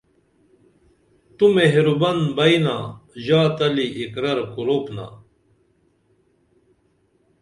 تو مہربن بئی نا ژاتلی اقرار کُروپ نا